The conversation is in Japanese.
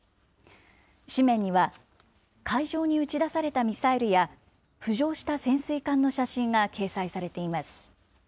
紙面には、海上に撃ち出されたミサイルや浮上した潜水艦の写真が掲載されています。